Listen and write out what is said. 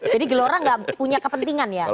jadi gelora gak punya kepentingan ya